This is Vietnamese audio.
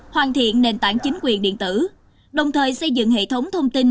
hoàn thiện nền tảng chính quyền điện tử đồng thời xây dựng hệ thống thông tin